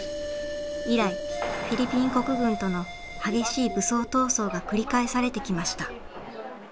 以来フィリピン国軍との激しい武装闘争が繰り返されてきました。